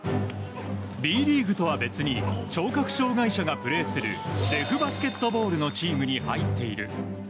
Ｂリーグとは別に聴覚障碍者がプレーするデフバスケットボールのチームに入っています。